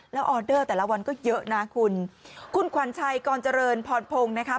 แล้วออเดอร์แต่ละวันก็เยอะนะคุณคุณขวัญชัยกรเจริญพรพงศ์นะคะ